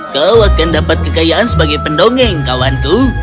kau akan dapat kekayaan sebagai pendongeng kawanku